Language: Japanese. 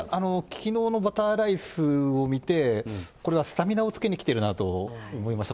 きのうのバターライスを見て、これはスタミナをつけにきているなと思いました。